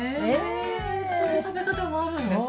そういった食べ方もあるんですか？